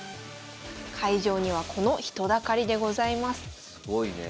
会場にはこの人だかりでございます。